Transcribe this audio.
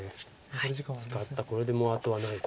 使ったこれでもう後はない。